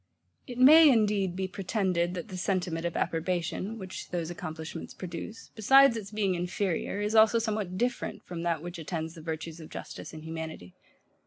It may, indeed, be pretended, that the sentiment of approbation, which those accomplishments produce, besides its being INFERIOR, is also somewhat DIFFERENT from that which attends the virtues of justice and humanity.